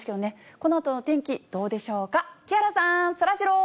このあとのお天気、どうでしょうか。